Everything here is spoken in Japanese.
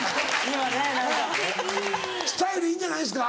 スタイルいいんじゃないですか？